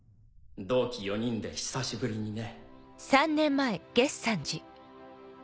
同期４人で久しぶりにね。